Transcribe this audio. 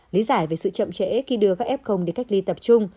lý giải về sự chậm trễ khi đưa các f đi cách ly tập trung